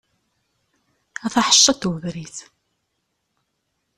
A taḥeccaḍt n ubrid.